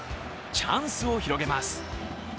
チャンスを広げます。